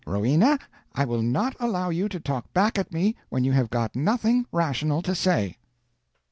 "Rowena! I will not allow you to talk back at me when you have got nothing rational to say."